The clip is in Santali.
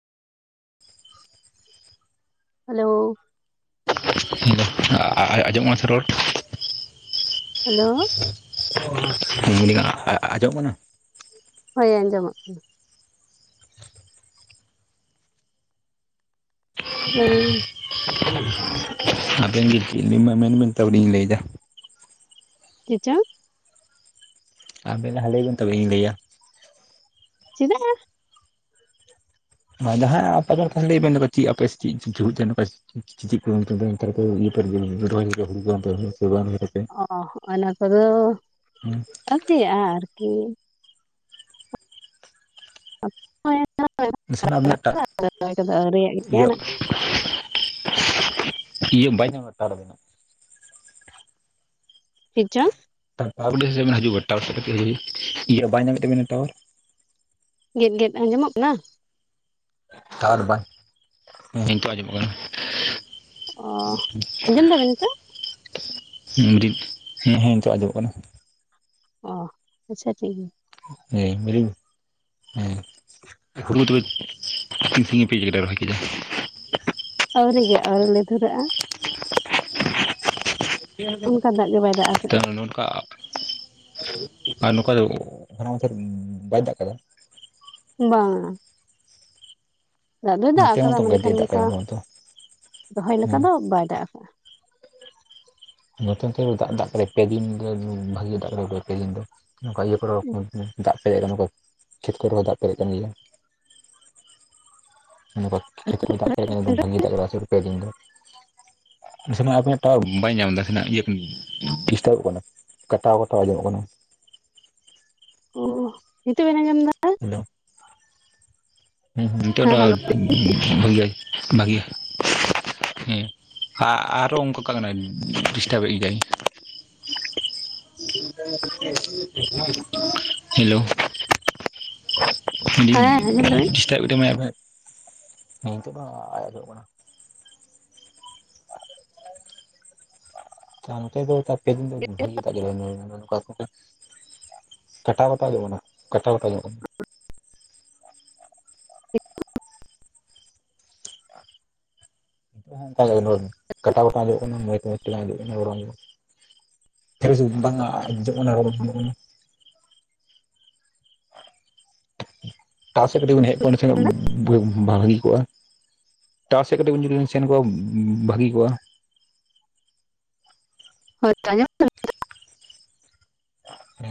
ᱦᱮᱞᱳ ᱟᱡᱚᱢᱚᱜ ᱠᱟᱱᱟ ᱥᱮ ᱨᱚᱲ ᱦᱮᱞᱳ ᱞᱟ. ᱭ ᱫᱟ. ᱧ ᱟᱸᱡᱚᱢ ᱠᱟᱱᱟ ᱦᱳᱭ ᱟᱸᱡᱚᱢᱚᱜ ᱠᱟᱱᱟ [unintelligible] ᱟᱵᱮᱱ ᱜᱮ ᱢᱮᱱ ᱵᱮᱱ ᱛᱟᱯᱚᱨᱮᱧ ᱞᱟᱹᱭᱫᱟ ᱪᱮᱫ ᱪᱚᱝ ᱟᱵᱮ ᱞᱟᱦᱟ ᱞᱟᱹᱭ ᱵᱤᱱ ᱛᱚᱵᱮ ᱤᱧ ᱞᱟᱹᱭᱟ ᱪᱮᱫᱟᱜ ᱡᱟᱦᱟᱸᱭ ᱟᱯᱷᱟ ᱞᱟᱹᱭ ᱵᱮᱱ ᱪᱮᱫ ᱟᱯᱮ ᱪᱮᱫ ᱪᱮᱫ ᱡᱷᱩ ᱪᱚᱝ ᱪᱮᱫ ᱪᱮᱫ ᱚᱱᱛᱮ ᱫᱚ ᱚᱱᱛᱮ ᱨᱮᱠᱚ ᱤᱭᱟᱹ ᱠᱚ ᱨᱚᱦᱚᱭ ᱟᱠᱟᱫᱟ ᱦᱩᱲᱩ ᱠᱚ ᱥᱮ ᱚᱱᱛᱮ ᱫᱚ ᱵᱟᱝ ᱚ ᱚᱱᱟ ᱠᱚᱫᱚ ᱦᱮᱸ ᱟᱣᱨᱤᱭᱟᱜ ᱟ ᱟᱨᱠᱤ ᱱᱟᱥᱮᱱᱟᱜ ᱟᱵᱤᱱᱟᱜ ᱴᱟ ᱠᱚᱫᱚ ᱟᱹᱣᱨᱤᱭᱟᱜ ᱜᱮᱭᱟ ᱤᱭᱟᱹ ᱤᱭᱟᱹ ᱵᱟᱭ ᱧᱟᱢ ᱮᱫᱟ ᱴᱟᱣᱟᱨ ᱟᱵᱤᱱᱟᱜ [inaudible] ᱪᱮᱫ ᱪᱚᱝ ᱴᱟᱣᱟᱨ ᱠᱷᱩᱱᱴᱤᱡ ᱥᱮᱫ ᱦᱤᱡᱩᱜ ᱵᱤᱱ ᱤᱭᱟᱹ ᱵᱟᱭ ᱧᱟᱢᱮᱫ ᱛᱟᱵᱮᱱᱟ ᱴᱟᱣᱟᱨ ᱜᱮᱫ ᱜᱮᱫ ᱟᱸᱡᱚᱢᱚᱜ ᱠᱟᱱᱟ ᱴᱟᱣᱟᱨ ᱵᱟᱭ ᱦᱮᱸ ᱱᱤᱛᱚᱜ ᱟᱸᱡᱚᱢᱚᱜ ᱠᱟᱱᱟ ᱚ ᱟᱸᱡᱚᱢ ᱫᱟᱵᱤᱱ ᱱᱤᱛᱚᱜ [inaudible] ᱦᱤᱸ ᱦᱮᱸ ᱦᱮᱸ ᱱᱤᱛᱚᱜ ᱟᱡᱚᱢᱚᱜ ᱠᱟᱱᱟ ᱚ ᱟᱪᱪᱷᱟ ᱴᱷᱤᱠ ᱜᱮᱭᱟ ᱦᱮᱸ [unintelligible] ᱦᱮᱸ ᱦᱩᱲᱩ ᱛᱚᱵᱮ ᱛᱤᱱ ᱥᱟᱸᱜᱤᱧ ᱯᱮ ᱨᱚᱦᱚᱭ ᱠᱮᱫᱟ ᱟᱹᱣᱨᱤ ᱜᱮ ᱟᱣᱨᱤ ᱞᱮ ᱫᱷᱩᱨᱟᱜ-ᱟ ᱚᱱᱠᱟ ᱫᱟᱜ ᱜᱮ ᱵᱟᱭ ᱫᱟᱜ ᱛᱚ ᱟᱠᱟᱜᱼᱟ ᱱᱚᱝᱠᱟ ᱟᱨ ᱱᱚᱝᱠᱟ ᱫᱚ ᱦᱚᱞᱟ ᱢᱟᱫᱷᱮᱨ ᱵᱟᱭ ᱫᱟᱜ ᱟᱠᱟᱫᱟ ᱵᱟᱝ-ᱟ ᱫᱟᱜ ᱫᱚᱭ ᱫᱟᱜ ᱱᱚᱛᱮ ᱟᱠᱟᱫᱟ ᱢᱟᱛᱚ ᱜᱟᱡᱮ ᱢᱮᱱᱠᱷᱟᱱ ᱫᱟᱜ ᱚᱱᱠᱟ ᱠᱟᱫᱟᱭ ᱱᱚᱛᱮ ᱨᱚᱦᱚᱭ ᱞᱮᱠᱟ ᱦᱮᱸ ᱫᱚ ᱵᱟᱭ ᱫᱟᱜ ᱟᱠᱟᱫᱟ᱾ ᱱᱚᱛᱮ ᱛᱮ ᱫᱟᱜ ᱫᱟᱜ ᱯᱮ ᱫᱤᱱ ᱫᱚ ᱵᱷᱟᱜᱮ ᱫᱟᱜ ᱠᱮᱫ-ᱟ ᱯᱮ ᱫᱤᱱ ᱫᱚ ᱱᱚᱝᱠᱟ ᱤᱭᱟᱹ ᱠᱚᱨᱮ ᱫᱟᱜ ᱯᱮᱨᱮᱡ ᱟᱠᱟᱱᱟ ᱱᱚᱠᱟ ᱠᱷᱮᱛ ᱠᱚᱨᱮ ᱦᱚᱸ ᱫᱟᱜ ᱯᱮᱨᱮᱡ ᱟᱠᱟᱱ ᱜᱮᱭᱟ᱾ ᱠᱷᱮᱛ ᱠᱚ ᱫᱟᱜ ᱯᱮ ᱵᱷᱟᱜᱤ ᱫᱟᱜ ᱠᱮᱫ ᱯᱮ ᱫᱤᱱ ᱫᱚ᱾ ᱱᱟᱥᱮ ᱱᱟᱜ ᱟᱯᱮ ᱴᱟᱣᱟᱨ ᱵᱟᱭ ᱧᱟᱢ ᱮᱫᱟ ᱟᱰᱤᱡᱩᱨ ᱤᱭᱟᱹ ᱰᱤᱥᱴᱟᱵ ᱠᱟᱱᱟ᱾ ᱠᱟᱴᱟᱣ ᱠᱟᱴᱟᱣ ᱟᱸᱡᱚᱢᱚᱜ ᱠᱟᱱᱟ᱾ ᱚ ᱱᱤᱛᱚᱜ ᱵᱮᱱ ᱟᱸᱡᱚᱢ ᱮᱫᱟ? ᱦᱮᱞᱳ ᱦᱮᱸ ᱦᱮᱸ ᱱᱤᱛᱚᱜ ᱵᱷᱟᱹᱜᱮ ᱵᱷᱟᱹᱜᱮ ᱦᱮᱸ ᱟᱨ ᱦᱚᱸ ᱚᱱᱠᱟᱠᱟ ᱠᱟᱱᱟ ᱰᱤᱥᱴᱟᱵᱽᱮᱫ ᱜᱮᱭᱟᱭ ᱦᱮᱞᱳ ᱦᱮᱸ ᱟᱸᱡᱚᱢ ᱫᱟᱵᱤᱱ ᱰᱤᱥᱴᱟᱵᱽᱮᱫ ᱛᱟᱵᱩᱱᱟ ᱚ ᱱᱤᱛᱚᱜ ᱫᱚ ᱟᱸᱡᱚᱢᱚᱜ ᱠᱟᱱᱟ᱾ ᱱᱚᱛᱮ ᱫᱚ ᱟᱨ ᱯᱮ ᱫᱤᱱ ᱫᱚ ᱵᱷᱟᱜᱤ ᱫᱟᱜ ᱡᱚᱨᱚ ᱮᱱᱟ ᱟᱫᱚ ᱚᱠᱟ ᱠᱚᱨᱮ ᱠᱟᱴᱟᱣ ᱠᱟᱛᱮ ᱟᱸᱡᱚᱢᱚᱜ ᱠᱟᱱᱟ ᱠᱟᱴᱟᱣ ᱠᱟᱛᱮ ᱟᱸᱡᱚᱢᱚᱜ ᱠᱟᱱᱟ᱾ ᱚᱱᱠᱟ ᱠᱟᱴᱟ ᱠᱚᱴᱟ ᱟᱡᱚᱜ ᱠᱟᱱᱟ ᱢᱚᱡᱽ ᱢᱚᱡᱽ ᱛᱮ ᱵᱟᱝ ᱟᱡᱚᱜ ᱠᱟᱱᱟ ᱚᱲᱚᱜ ᱯᱷᱮᱨᱮᱥ ᱵᱟᱝ ᱟᱸᱡᱚᱢᱚᱜ ᱠᱟᱱᱟ ᱨᱚᱲ ᱮᱴᱟᱜ ᱥᱮᱫ ᱡᱚᱫᱤ ᱵᱚᱱ ᱦᱮᱡ ᱠᱚᱜ-ᱟ ᱮᱰᱮ ᱵᱷᱟᱹᱜᱤ ᱠᱚᱜ-ᱟ ᱴᱟᱣᱟᱨ ᱥᱮᱫ ᱠᱟᱹᱴᱤᱡ ᱵᱤᱱ ᱡᱚᱫᱤ ᱵᱤᱱ ᱥᱮᱱ ᱠᱚᱜ-ᱟ ᱵᱷᱟᱹᱜᱤ ᱠᱚᱜ-ᱟ᱾ ᱦᱳᱭ ᱛᱚ ᱟᱸᱡᱚᱢᱚᱜ ᱠᱟᱱᱟ